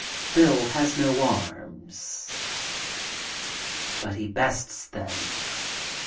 Bill has no arms. But he bests them.